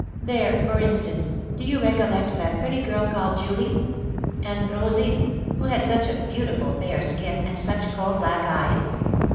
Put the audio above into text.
There, for instance, do you recollect that pretty girl called Julie? and Rosine, who had such a beautiful fair skin, and such coal black eyes?"